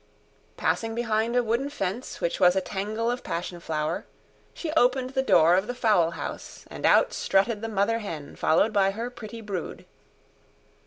Passing behind a wooden fence which was a tangle of passion flower, she opened the door of the fowl house, and out strutted the mother hen followed by her pretty brood.